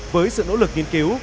với sự nỗ lực nghiên cứu